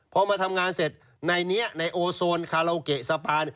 พอมาทำงานเสร็จในนี้ในโอโซนคาราโอเกะสะพาน